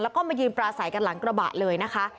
แล้วก็มายืนปลาใสกันหลังกระบะเลยนะคะ